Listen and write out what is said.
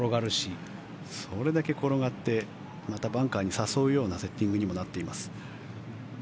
それだけ転がってまたバンカーに誘うようなセッティングにもなっています。